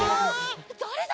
だれだ！？